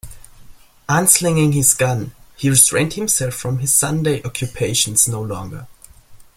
Unslinging his gun, he restrained himself from his Sunday occupations no longer.